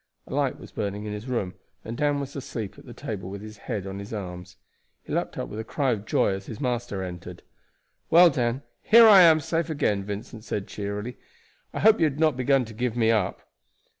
A light was burning in his room, and Dan was asleep at the table with his head on his arms. He leaped up with a cry of joy as his master entered. "Well, Dan, here I am safe again," Vincent said cheerily. "I hope you had not begun to give me up."